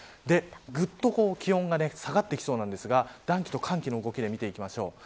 ぐっと気温が下がってきそうなんですが暖気と寒気の動きで見ていきましょう。